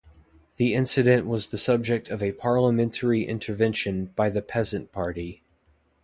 The incident was the subject of a parliamentary intervention by the Peasant Party.